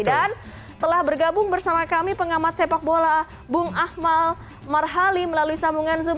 dan telah bergabung bersama kami pengamat sepak bola bung ahmal marhali melalui sambungan zoom